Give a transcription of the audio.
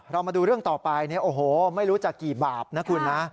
เรามาดูเรื่องต่อไปเนี่ยโอ้โหไม่รู้จะกี่บาปนะคุณนะ